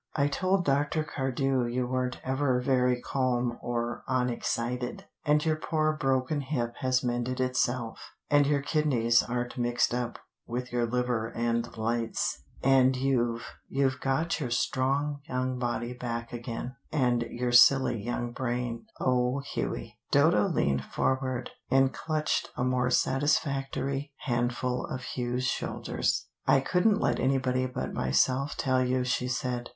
I told Dr. Cardew you weren't ever very calm or unexcited, and your poor broken hip has mended itself, and your kidneys aren't mixed up with your liver and lights, and you've you've got your strong young body back again, and your silly young brain. Oh, Hughie!" Dodo leaned forward and clutched a more satisfactory handful of Hugh's shoulders. "I couldn't let anybody but myself tell you," she said.